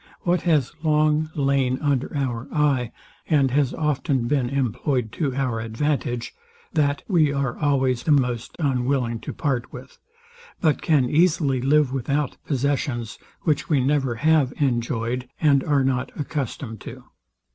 What has long lain under our eye, and has often been employed to our advantage, that we are always the most unwilling to part with; but can easily live without possessions, which we never have enjoyed, and are not accustomed to.